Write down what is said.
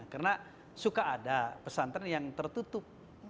karena suka ada pesantren yang tertutup